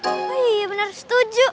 oh iya bener setuju